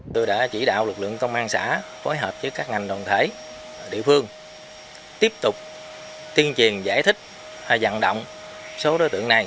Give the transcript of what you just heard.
tôi đã chỉ đạo lực lượng công an xã phối hợp với các ngành đoàn thể địa phương tiếp tục tiên truyền giải thích dặn động số đối tượng này